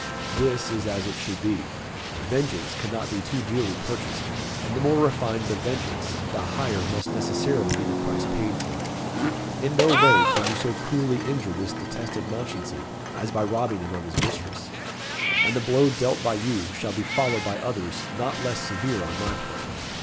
This is as it should be. Vengeance cannot be too dearly purchased, and the more refined the vengeance, the higher must necessarily be the price paid for it. In no way can you so cruelly injure this detested Mounchensey, as by robbing him of his mistress. And the blow dealt by you, shall be followed by others not less severe on my part."